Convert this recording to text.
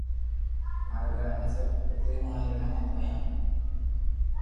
ماري گھر امي سب پندھري ھڻا ڀاتي ھين